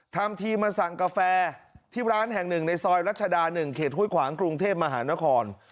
ทำทีมาสั่งกาแฟที่ร้านแห่งหนึ่งในซอยรัชดา๑เขตห้วยขวางกรุงเทพมหานคร